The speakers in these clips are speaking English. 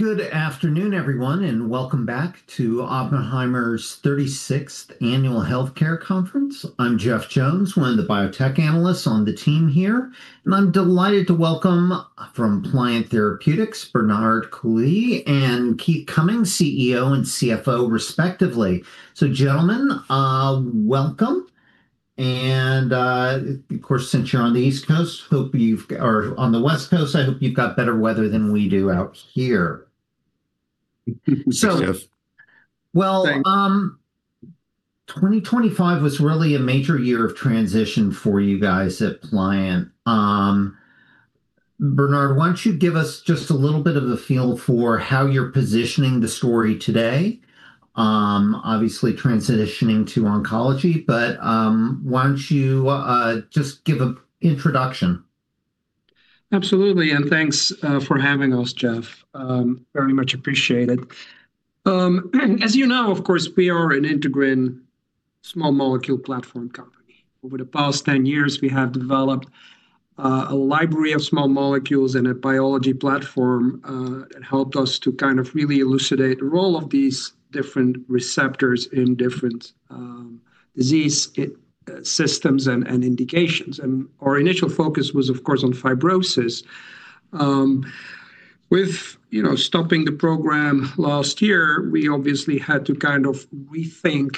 Good afternoon, everyone, welcome back to Oppenheimer's 36th Annual Healthcare Conference. I'm Jeff Jones, one of the biotech analysts on the team here, and I'm delighted to welcome from Pliant Therapeutics, Bernard Coulie and Keith Cummings, CEO and CFO respectively. Gentlemen, welcome, and, of course, since you're on the East Coast, or on the West Coast, I hope you've got better weather than we do out here. Yes. So, well- Thanks 2025 was really a major year of transition for you guys at Pliant. Bernard, why don't you give us just a little bit of a feel for how you're positioning the story today? Obviously transitioning to oncology, but why don't you just give an introduction? Absolutely, thanks for having us, Jeff. Very much appreciated. As you know, of course, we are an integrin small molecule platform company. Over the past 10 years, we have developed a library of small molecules and a biology platform that helped us to kind of really elucidate the role of these different receptors in different disease systems and indications. Our initial focus was, of course, on fibrosis. With, you know, stopping the program last year, we obviously had to kind of rethink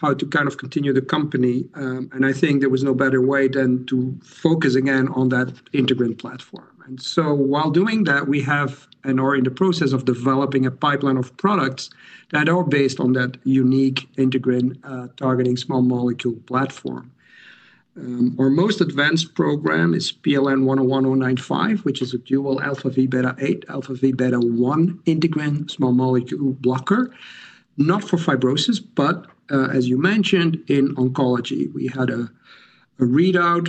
how to kind of continue the company. I think there was no better way than to focus again on that integrin platform. While doing that, we have and are in the process of developing a pipeline of products that are all based on that unique integrin targeting small molecule platform. Our most advanced program is PLN-101095, which is a dual αvβ8, αvβ1 integrin small molecule blocker, not for fibrosis, but, as you mentioned, in oncology. We had a readout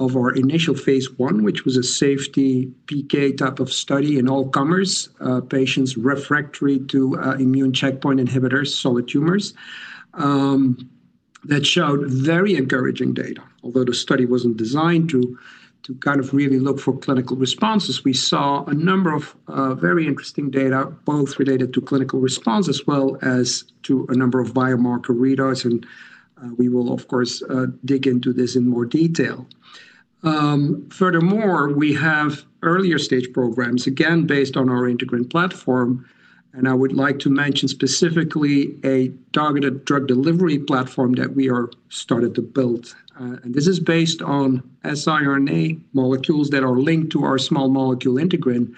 of our initial phase I, which was a safety PK type of study in all comers, patients refractory to immune checkpoint inhibitors, solid tumors, that showed very encouraging data. Although the study wasn't designed to kind of really look for clinical responses, we saw a number of very interesting data, both related to clinical response as well as to a number of biomarker readouts. We will, of course, dig into this in more detail. Furthermore, we have earlier stage programs, again, based on our integrin platform, I would like to mention specifically a targeted drug delivery platform that we are started to build. This is based on siRNA molecules that are linked to our small molecule integrin,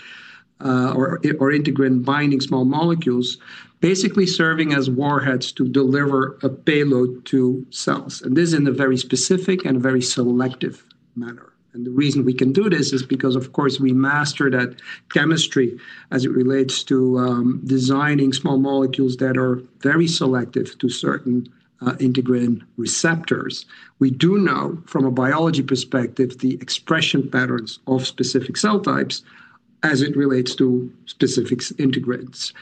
or integrin binding small molecules, basically serving as warheads to deliver a payload to cells, this is in a very specific and very selective manner. The reason we can do this is because, of course, we mastered at chemistry as it relates to designing small molecules that are very selective to certain integrin receptors. We do know, from a biology perspective, the expression patterns of specific cell types as it relates to specific integrins.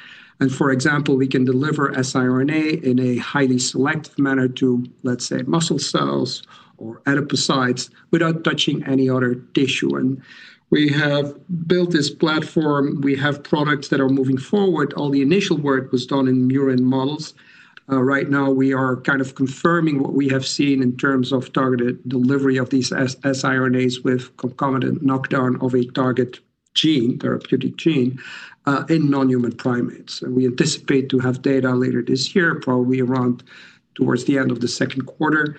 For example, we can deliver siRNA in a highly selective manner to, let's say, muscle cells or adipocytes without touching any other tissue. We have built this platform. We have products that are moving forward. All the initial work was done in murine models. Right now we are kind of confirming what we have seen in terms of targeted delivery of these siRNAs with concomitant knockdown of a target gene, therapeutic gene, in non-human primates. We anticipate to have data later this year, probably around towards the end of the second quarter,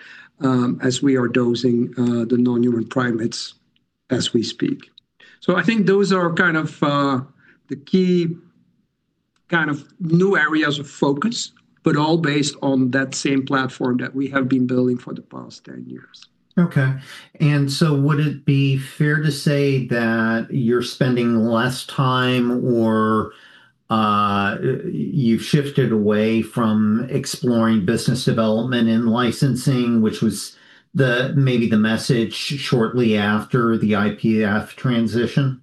as we are dosing the non-human primates as we speak. I think those are kind of the key kind of new areas of focus, but all based on that same platform that we have been building for the past 10 years. Okay. Would it be fair to say that you're spending less time, or you've shifted away from exploring business development and licensing, which was maybe the message shortly after the IPF transition?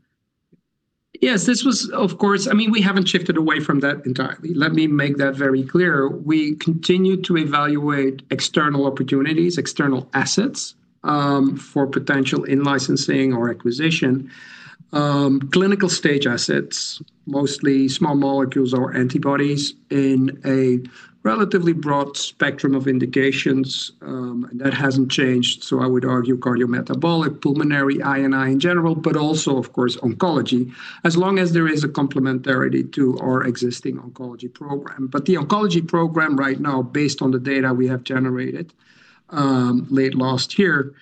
Yes, this was, of course. I mean, we haven't shifted away from that entirely. Let me make that very clear. We continue to evaluate external opportunities, external assets, for potential in-licensing or acquisition. Clinical stage assets, mostly small molecules or antibodies in a relatively broad spectrum of indications, and that hasn't changed, so I would argue cardiometabolic, pulmonary, I&I in general, but also of course, oncology, as long as there is a complementarity to our existing oncology program. The oncology program right now, based on the data we have generated, late last year,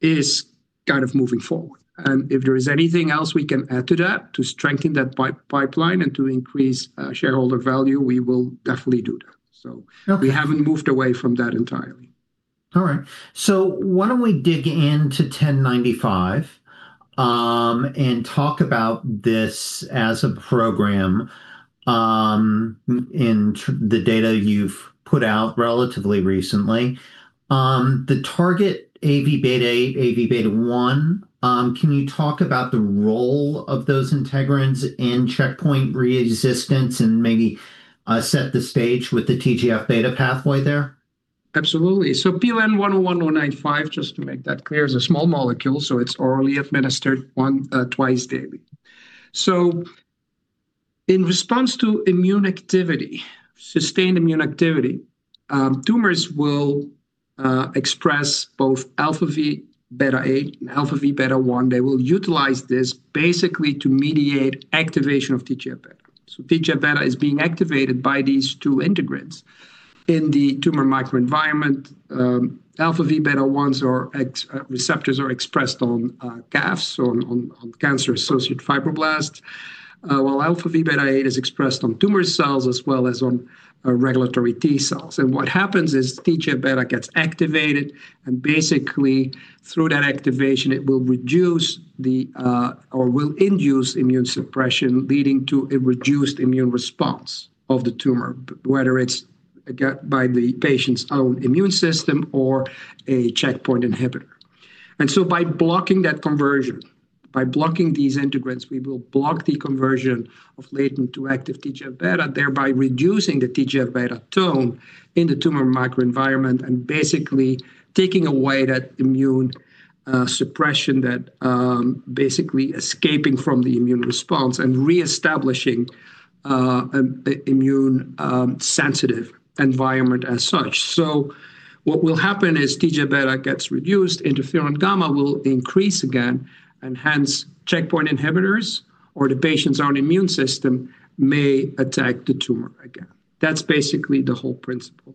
is kind of moving forward. If there is anything else we can add to that, to strengthen that pipeline and to increase shareholder value, we will definitely do that. Okay we haven't moved away from that entirely. All right. Why don't we dig into 1095, and talk about this as a program, in the data you've put out relatively recently. The target, αvβ8, αvβ1, can you talk about the role of those integrins in checkpoint resistance and maybe set the stage with the TGF-β pathway there? Absolutely. PLN-101095, just to make that clear, is a small molecule, so it's orally administered one, twice daily. In response to immune activity, sustained immune activity, tumors will express both αvβ8 and αvβ1. They will utilize this basically to mediate activation of TGF-β. TGF-β is being activated by these two integrins. In the tumor microenvironment, αvβ1s or ex receptors are expressed on CAFs, so on cancer-associated fibroblasts. While αvβ8 is expressed on tumor cells as well as on regulatory T cells. What happens is TGF-β gets activated, and basically through that activation, it will reduce the or will induce immune suppression, leading to a reduced immune response of the tumor, whether it's by the patient's own immune system or a checkpoint inhibitor. By blocking that conversion, by blocking these integrins, we will block the conversion of latent to active TGF-β, thereby reducing the TGF-β tone in the tumor microenvironment and basically taking away that immune suppression that basically escaping from the immune response and reestablishing a immune sensitive environment as such. What will happen is TGF-β gets reduced, interferon gamma will increase again, and hence, checkpoint inhibitors or the patient's own immune system may attack the tumor again. That's basically the whole principle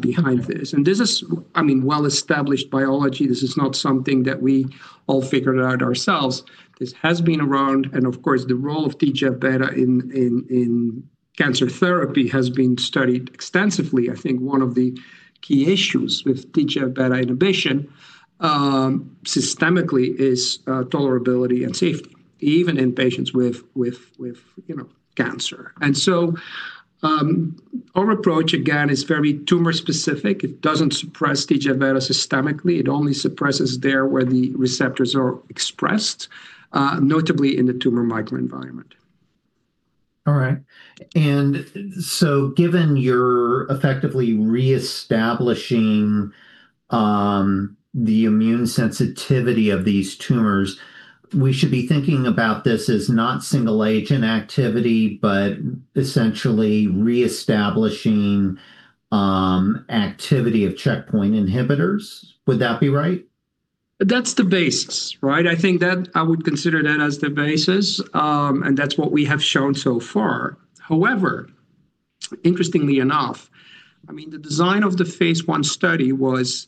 behind this. This is, I mean, well-established biology. This is not something that we all figured out ourselves. This has been around, and of course, the role of TGF-β in cancer therapy has been studied extensively. I think one of the key issues with TGF-β inhibition, systemically, is tolerability and safety, even in patients with, you know, cancer. Our approach, again, is very tumor specific. It doesn't suppress TGF-β systemically. It only suppresses there where the receptors are expressed, notably in the tumor microenvironment. All right. Given you're effectively reestablishing the immune sensitivity of these tumors, we should be thinking about this as not single-agent activity, but essentially reestablishing activity of immune checkpoint inhibitors. Would that be right? That's the basis, right? I think that I would consider that as the basis, and that's what we have shown so far. However, interestingly enough, I mean, the design of the phase I study was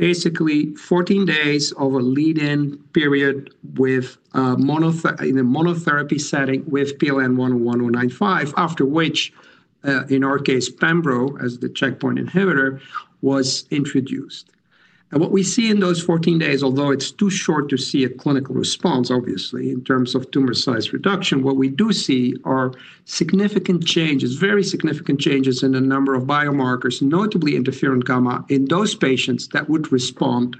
basically 14 days of a lead-in period with in a monotherapy setting with PLN-101095, after which, in our case, Pembrolizumab, as the checkpoint inhibitor, was introduced. What we see in those 14 days, although it's too short to see a clinical response, obviously, in terms of tumor size reduction, what we do see are significant changes, very significant changes in the number of biomarkers, notably interferon gamma, in those patients that would respond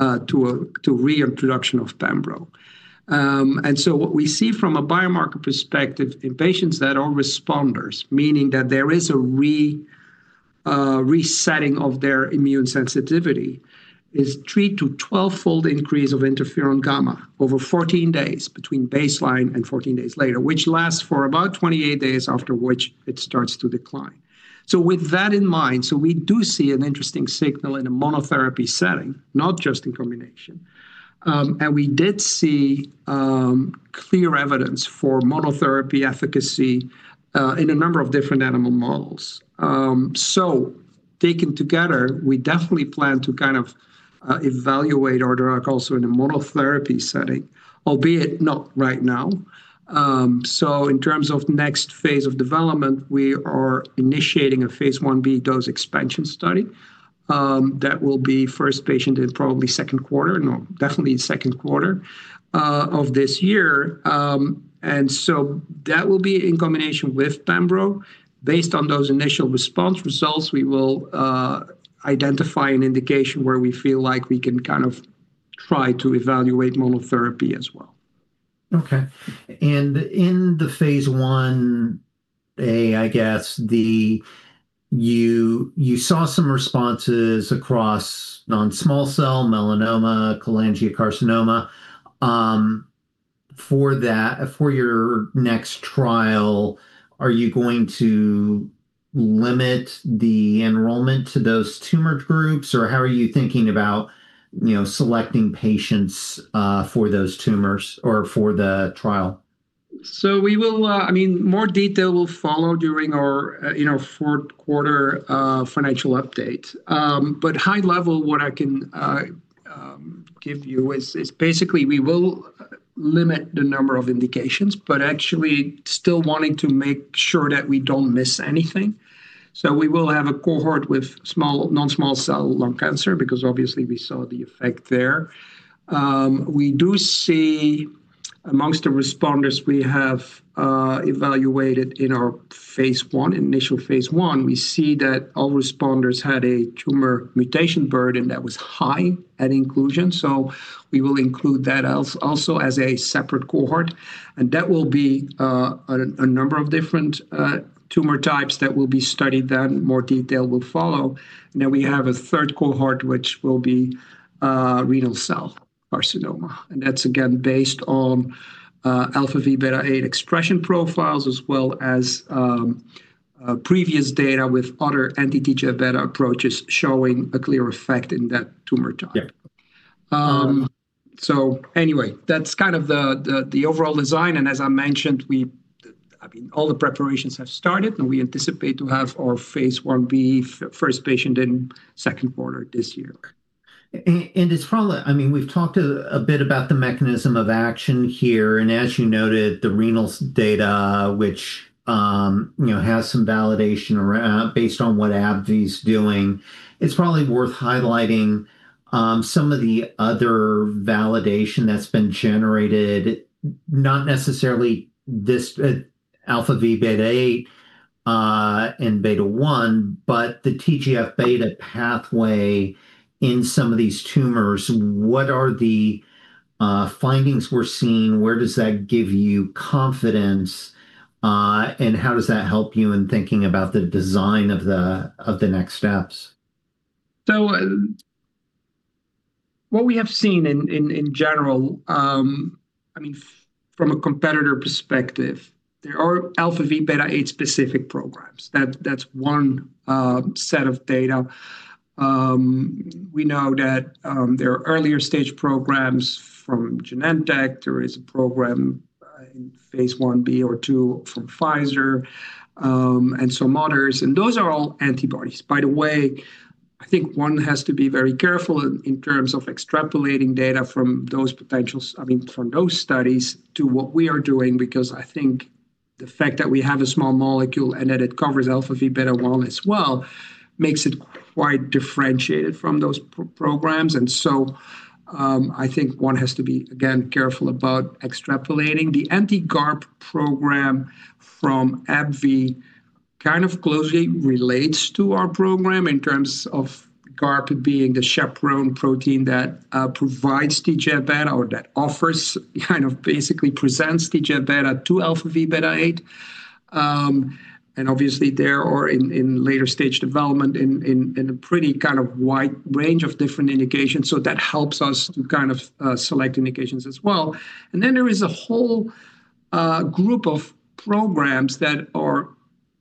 to reintroduction of Pembrolizumab. What we see from a biomarker perspective in patients that are responders, meaning that there is a resetting of their immune sensitivity, is 3-12-fold increase of interferon gamma over 14 days, between baseline and 14 days later, which lasts for about 28 days, after which it starts to decline. We do see an interesting signal in a monotherapy setting, not just in combination. We did see clear evidence for monotherapy efficacy in a number of different animal models. Taken together, we definitely plan to evaluate our drug also in a monotherapy setting, albeit not right now. In terms of next phase of development, we are initiating a phase Ib dose expansion study, that will be first patient in probably second quarter, no, definitely in second quarter, of this year. That will be in combination with Pembrolizumab. Based on those initial response results, we will identify an indication where we feel like we can kind of try to evaluate monotherapy as well. Okay. In the phase 1a, I guess. You saw some responses across non-small cell melanoma, cholangiocarcinoma. For that, for your next trial, are you going to limit the enrollment to those tumor groups, or how are you thinking about, you know, selecting patients for those tumors or for the trial? We will, I mean, more detail will follow during our in our fourth quarter financial update. High level, what I can give you is basically we will limit the number of indications, but actually still wanting to make sure that we don't miss anything. We will have a cohort with small, non-small cell lung cancer, because obviously we saw the effect there. We do see amongst the responders we have evaluated in our phase I, initial phase I, we see that all responders had a tumor mutation burden that was high at inclusion. We will include that also as a separate cohort, and that will be a number of different tumor types that will be studied, then more detail will follow. We have 1/3 cohort, which will be renal cell carcinoma, and that's again based on αvβ8 expression profiles, as well as previous data with other anti-TGF-β approaches showing a clear effect in that tumor type. Yeah. That's kind of the overall design, and as I mentioned, we, I mean, all the preparations have started, and we anticipate to have our phase Ib first patient in second quarter this year. It's probably, I mean, we've talked a bit about the mechanism of action here, and as you noted, the renal data, which, you know, has some validation around based on what AbbVie's doing. It's probably worth highlighting, some of the other validation that's been generated, not necessarily this, αvβ8, and αvβ1, but the TGF-β pathway in some of these tumors. What are the findings we're seeing? Where does that give you confidence, and how does that help you in thinking about the design of the next steps? What we have seen in general, I mean, from a competitor perspective, there are αvβ8 specific programs. That's one set of data. We know that there are earlier stage programs from Genentech. There is a program in phase Ib or II from Pfizer, and some others, and those are all antibodies. By the way, I think one has to be very careful in terms of extrapolating data from those studies to what we are doing, because I think the fact that we have a small molecule and that it covers αvβ1 as well, makes it quite differentiated from those programs. I think one has to be, again, careful about extrapolating. The anti-GARP program from AbbVie kind of closely relates to our program in terms of GARP being the chaperone protein that provides TGF-β or that offers, kind of basically presents TGF-β to αvβ8. Obviously, there or in later stage development, in, in a pretty kind of wide range of different indications, so that helps us to kind of select indications as well. There is a whole group of programs that are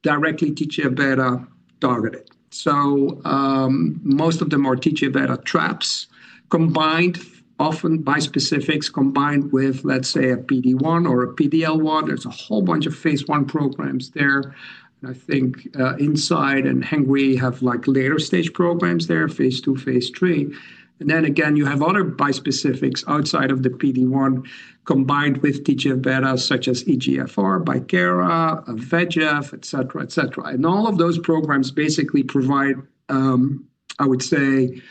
directly TGF-β targeted. Most of them are TGF-β traps, combined often bispecifics, combined with, let's say, a PD-1 or a PDL-1. There's a whole bunch of phase I programs there. I think, Incyte and Hengrui have, like, later stage programs there, phase II, phase III. Then again, you have other bispecifics outside of the PD-1, combined with TGF-β, such as EGFR, Bicara, VEGF, et cetera, et cetera. All of those programs basically provide, I would say,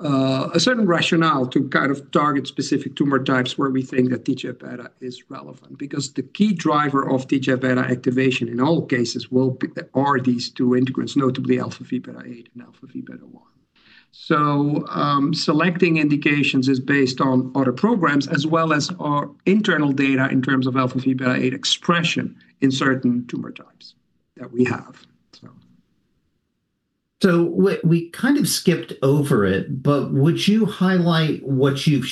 a certain rationale to kind of target specific tumor types where we think that TGF-β is relevant, because the key driver of TGF-β activation in all cases are these two integrins, notably alpha V beta eight and alpha V beta one. Selecting indications is based on other programs, as well as our internal data in terms of alpha V beta eight expression in certain tumor types that we have. We kind of skipped over it, but would you highlight what you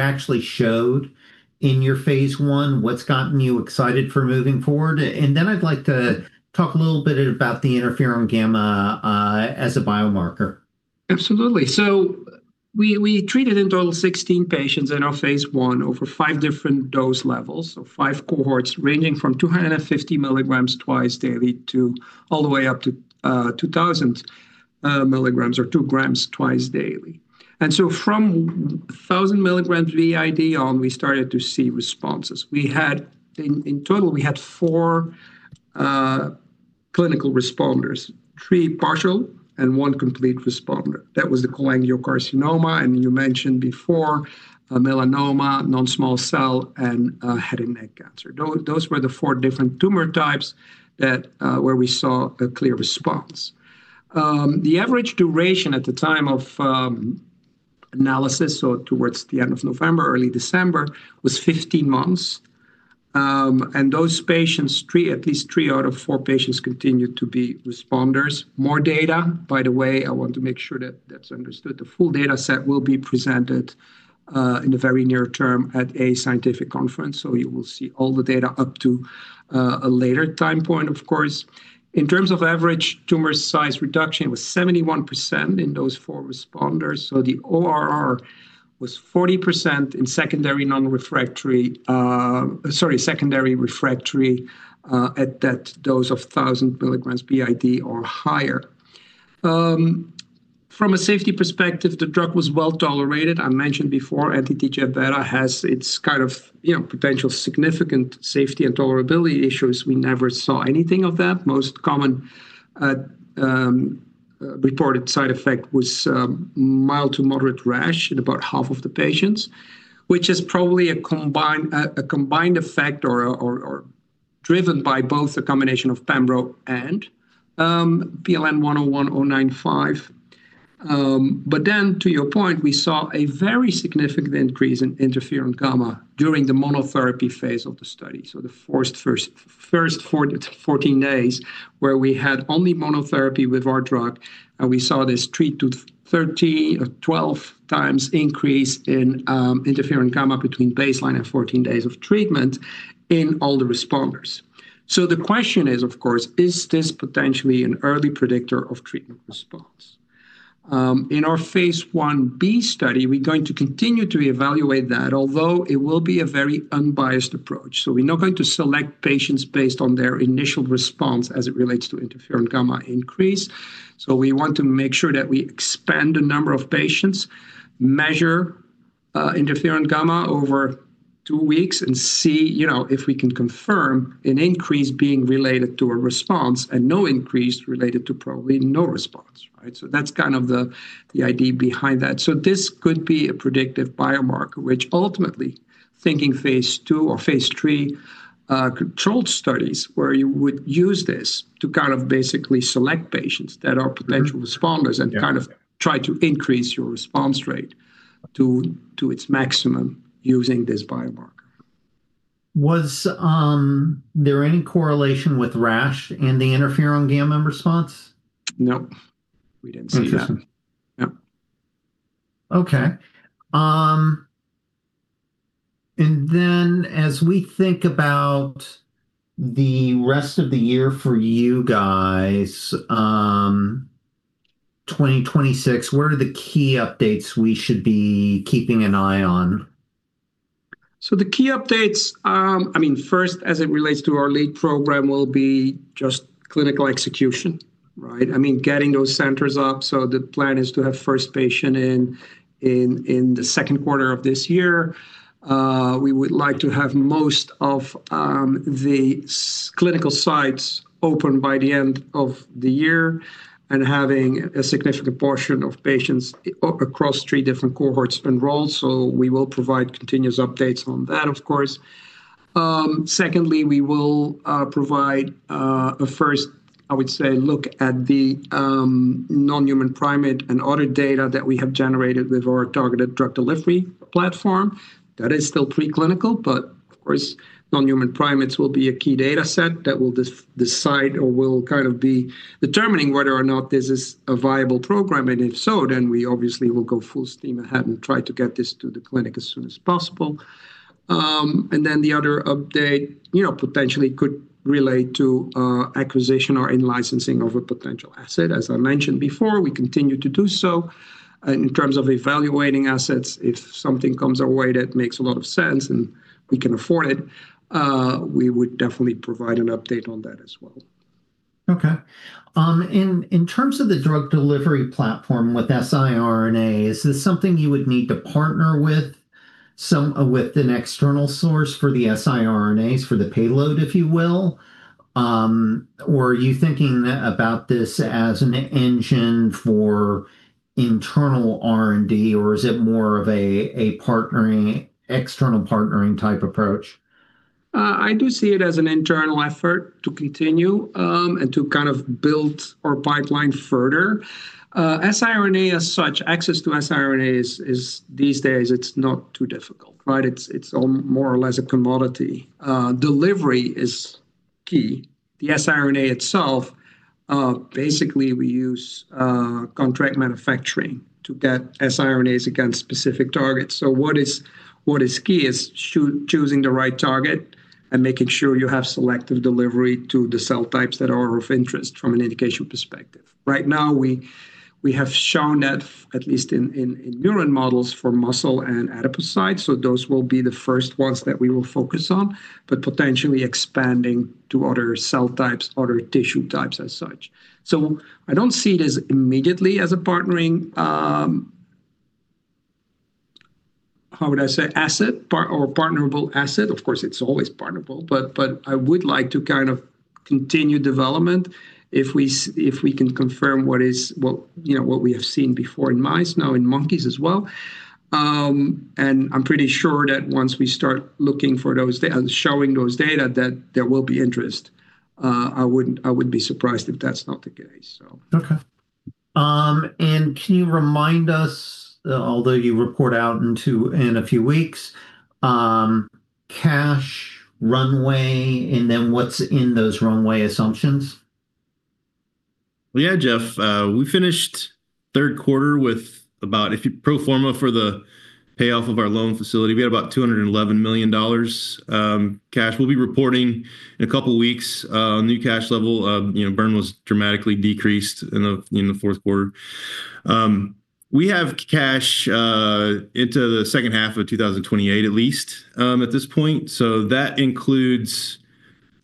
actually showed in your phase I? What's gotten you excited for moving forward? Then I'd like to talk a little bit about the interferon gamma as a biomarker. Absolutely. We treated in total 16 patients in our phase I over five different dose levels, so five cohorts ranging from 250 mg twice daily to all the way up to 2,000 mg or 2 g twice daily. From 1,000 mg BID on, we started to see responses. In total, we had four clinical responders, three partial and one complete responder. That was the cholangiocarcinoma, and you mentioned before, melanoma, non-small cell, and head and neck cancer. Those were the four different tumor types that where we saw a clear response. The average duration at the time of analysis, so towards the end of November, early December, was 15 months. And those patients, three, at least three out of four patients, continued to be responders. More data, by the way, I want to make sure that that's understood. The full data set will be presented in the very near term at a scientific conference, so you will see all the data up to a later time point, of course. In terms of average tumor size reduction, it was 71% in those four responders, so the ORR was 40% in secondary non-refractory, sorry, secondary refractory, at that dose of 1,000 mg BID or higher. From a safety perspective, the drug was well-tolerated. I mentioned before, anti-TGF-β has its kind of, you know, potential significant safety and tolerability issues. We never saw anything of that. Most common. reported side effect was mild to moderate rash in about half of the patients, which is probably a combined effect or driven by both a combination of pembro and PLN-101095. To your point, we saw a very significant increase in interferon gamma during the monotherapy phase of the study. The first 14 days, where we had only monotherapy with our drug, and we saw this three to 30 or 12x increase in interferon gamma between baseline and 14 days of treatment in all the responders. The question is, of course, is this potentially an early predictor of treatment response? In our phase 1b study, we're going to continue to evaluate that, although it will be a very unbiased approach. We're not going to select patients based on their initial response as it relates to interferon gamma increase. We want to make sure that we expand the number of patients, measure interferon gamma over two weeks, and see, you know, if we can confirm an increase being related to a response, and no increase related to probably no response, right? That's kind of the idea behind that. This could be a predictive biomarker, which ultimately, thinking phase II or phase III controlled studies, where you would use this to kind of basically select patients. Mm-hmm -responders- Yeah -and kind of try to increase your response rate to its maximum using this biomarker. Was there any correlation with rash in the interferon gamma response? Nope, we didn't see that. Interesting. Nope. Okay. As we think about the rest of the year for you guys, 2026, what are the key updates we should be keeping an eye on? The key updates, I mean, first, as it relates to our lead program, will be just clinical execution, right? I mean, getting those centers up. The plan is to have first patient in the second quarter of this year. We would like to have most of the clinical sites open by the end of the year, and having a significant portion of patients across three different cohorts enrolled. We will provide continuous updates on that, of course. Secondly, we will provide a first, I would say, look at the non-human primate and other data that we have generated with our targeted drug delivery platform. That is still preclinical, of course, non-human primates will be a key data set that will decide or will kind of be determining whether or not this is a viable program. If so, we obviously will go full steam ahead and try to get this to the clinic as soon as possible. The other update, you know, potentially could relate to acquisition or in-licensing of a potential asset. As I mentioned before, we continue to do so. In terms of evaluating assets, if something comes our way that makes a lot of sense and we can afford it, we would definitely provide an update on that as well. Okay. In terms of the drug delivery platform with siRNA, is this something you would need to partner with an external source for the siRNAs, for the payload, if you will? Or are you thinking about this as an engine for internal R&D, or is it more of a partnering, external partnering type approach? I do see it as an internal effort to continue and to kind of build our pipeline further, siRNA, as such, access to siRNA is these days, it's not too difficult, right? It's more or less a commodity. Delivery is key. The siRNA itself, basically, we use contract manufacturing to get siRNAs against specific targets. What is key is choosing the right target and making sure you have selective delivery to the cell types that are of interest from an indication perspective. Right now, we have shown that at least in murine models for muscle and adipocytes, those will be the first ones that we will focus on, but potentially expanding to other cell types, other tissue types as such. I don't see it as immediately as a partnering, how would I say? Asset or a partnerable asset. Of course, it's always partnerable, but I would like to kind of continue development if we can confirm what is. Well, you know, what we have seen before in mice, now in monkeys as well. I'm pretty sure that once we start looking for those data, and showing those data, that there will be interest. I would be surprised if that's not the case, so. Okay. Can you remind us, although you report out in a few weeks, cash runway, and then what's in those runway assumptions? Yeah, Jeff, we finished third quarter with about if you pro forma for the payoff of our loan facility, we had about $211 million cash. We'll be reporting in a couple of weeks, new cash level. You know, burn was dramatically decreased in the fourth quarter. We have cash into the second half of 2028, at least, at this point. That includes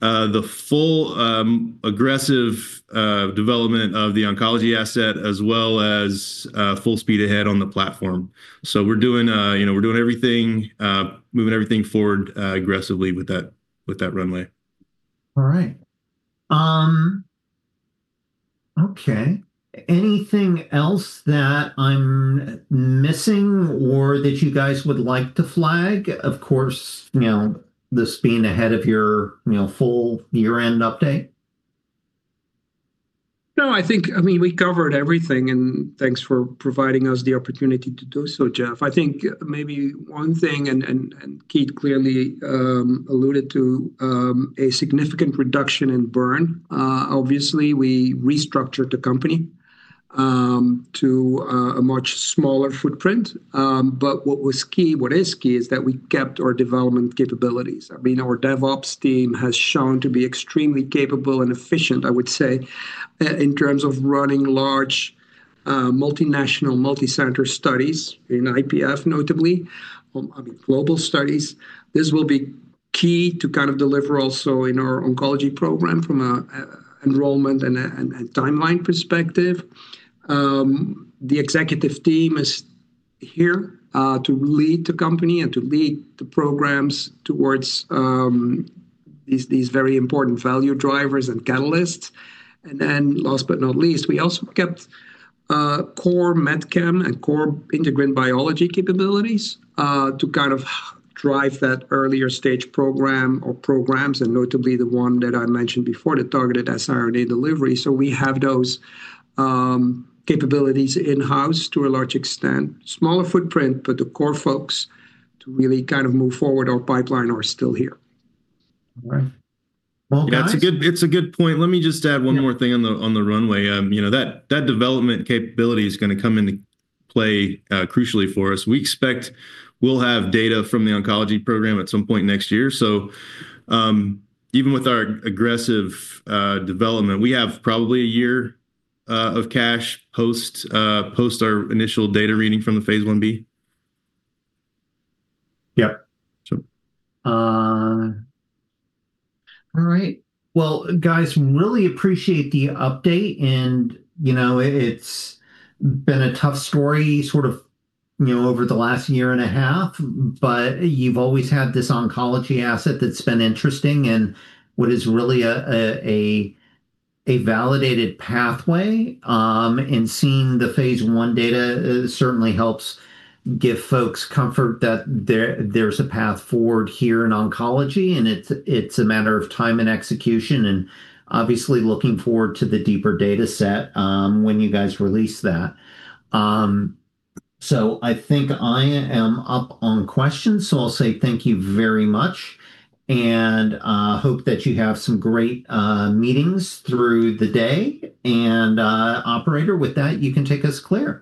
the full, aggressive development of the oncology asset, as well as full speed ahead on the platform. We're doing everything, moving everything forward aggressively with that runway. All right. Okay, anything else that I'm missing or that you guys would like to flag? Of course, you know, this being ahead of your, you know, full year-end update. No, I think, I mean, we covered everything, and thanks for providing us the opportunity to do so, Jeff. I think maybe one thing, Keith clearly alluded to a significant reduction in burn. Obviously, we restructured the company to a much smaller footprint. What was key, what is key, is that we kept our development capabilities. I mean, our DevOps team has shown to be extremely capable and efficient, I would say, in terms of running large, multinational, multicenter studies in IPF, notably, I mean, global studies. This will be key to kind of deliver also in our oncology program from a enrollment and a timeline perspective. The executive team is here to lead the company and to lead the programs towards these very important value drivers and catalysts. Last but not least, we also kept core medicinal chemistry and core integrin biology capabilities to kind of drive that earlier stage program or programs, and notably the one that I mentioned before, the targeted siRNA delivery. We have those capabilities in-house to a large extent. Smaller footprint, but the core folks to really kind of move forward our pipeline are still here. All right. Well, guys. Yeah, it's a good point. Let me just add one more thing- Yeah -on the, on the runway. You know, that development capability is going to come into play, crucially for us. We expect we'll have data from the oncology program at some point next year. Even with our aggressive development, we have probably a year of cash post post our initial data reading from the phase Ib. Yeah. So. All right. Well, guys, really appreciate the update, and, you know, it's been a tough story sort of, you know, over the last year and a half, but you've always had this oncology asset that's been interesting and what is really a, a validated pathway. Seeing the phase 1 data, certainly helps give folks comfort that there's a path forward here in oncology, and it's a matter of time and execution, and obviously looking forward to the deeper dataset, when you guys release that. I think I am up on questions, so I'll say thank you very much, and hope that you have some great meetings through the day. Operator, with that, you can take us clear.